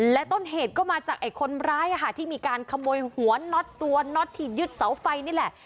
และต้นเหตุก็มาจากไอ้คนร้ายที่มีการขโมยหัวน็อตตัวน็อตที่ยึดเสาไฟนี่แหละ